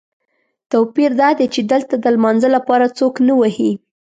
توپیر دادی چې دلته د لمانځه لپاره څوک نه وهي.